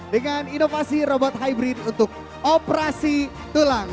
dengan inovasi robot hybrid untuk operasi tulang